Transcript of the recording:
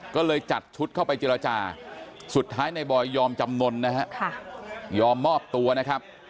ก็เลยจัดชุดเข้าไปเจรจาสุดท้ายในบอยยอมจำนวนนะฮะยอมมอบตัวนะครับ